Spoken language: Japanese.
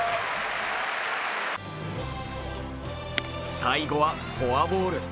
最後はフォアボール。